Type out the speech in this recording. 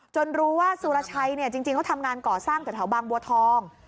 รู้ว่าสุรชัยเนี่ยจริงเขาทำงานก่อสร้างแถวบางบัวทอง